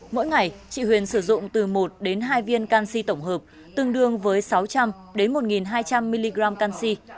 mỗi ngày chị huyền sử dụng từ một đến hai viên canxi tổng hợp tương đương với sáu trăm linh một hai trăm linh mg canxi